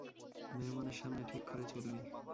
মেহমানের সামনে ঠিক করে চলবি।